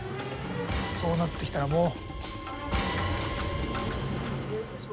そうなってきたらもう。